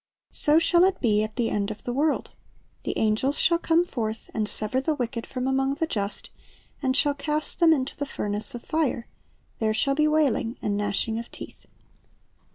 So shall it be at the end of the world: the angels shall come forth, and sever the wicked from among the just, and shall cast them into the furnace of fire: there shall be wailing and gnashing of teeth."